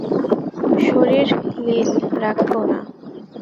শশীর লিল, রাখব না?